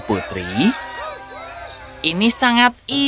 putri maria mengambil kain yang sangat indah